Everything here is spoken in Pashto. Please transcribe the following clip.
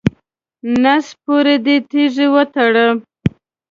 نس پورې دې تیږې وتړه.